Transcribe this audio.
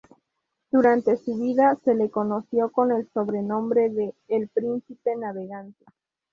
Durante su vida se le conoció con el sobrenombre de "el Príncipe navegante".